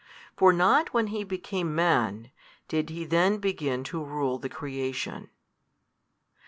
For not when He became Man, did He then begin to rule the creation.